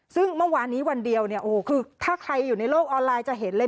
ซึ่งเมื่อวานนี้วันเดียวเนี่ยโอ้โหคือถ้าใครอยู่ในโลกออนไลน์จะเห็นเลย